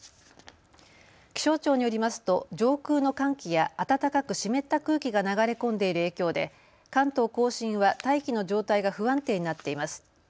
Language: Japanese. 気象庁によりますと上空の寒気や暖かく湿った空気が流れ込んでいる影響で関東甲信は大気の状態が不安定になっています。